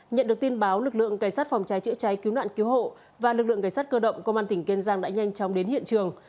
nhận được tin báo lực lượng cảnh sát phòng cháy chữa cháy cứu nạn cứu hộ và lực lượng cảnh sát cơ động công an tỉnh kiên giang đã nhanh chóng đến hiện trường